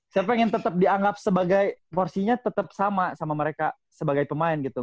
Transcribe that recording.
saya pengen tetep dianggap sebagai porsinya tetep sama sama mereka sebagai pemain gitu